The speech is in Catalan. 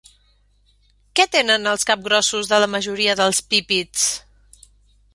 Què tenen els capgrossos de la majoria dels pípids?